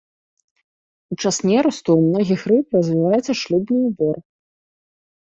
У час нерасту ў многіх рыб развіваецца шлюбны ўбор.